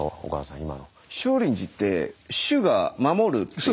今の。